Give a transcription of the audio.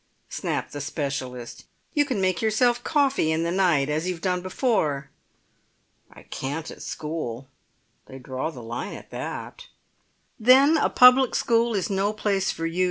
snapped the specialist. "You can make yourself coffee in the night, as you've done before." "I can't at school. They draw the line at that." "Then a public school is no place for you.